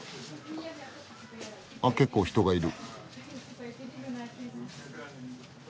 あ結構人がいる。